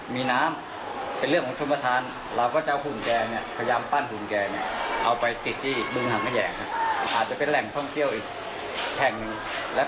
ที่หัวใจเขายิ่งใหญ่ครับ